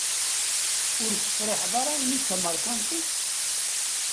Ur tefṛiḥeḍ ara imi d tamerkantit?